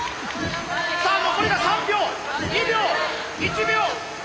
さあ残りが３秒２秒１秒。